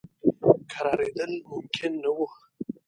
کرارېدل ممکن نه وه.